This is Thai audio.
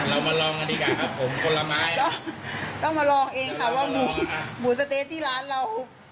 เรามาลองกันดีกว่าครับผมผลไม้ต้องมาลองเองค่ะว่าหมูหมูสะเต๊ะที่ร้านเรา